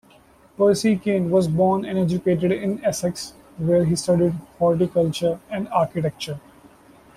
Percy Cane was born and educated in Essex where he studied horticulture and architecture.